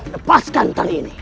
lepaskan tali ini